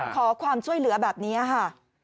ขอความช่วยเหลือแบบนี้ค่ะ